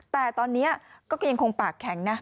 แต่ตอนนี้ก็ยังคงปากแข็งนะ